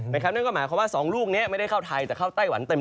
นั่นก็หมายความว่า๒ลูกนี้ไม่ได้เข้าไทยแต่เข้าไต้หวันเต็ม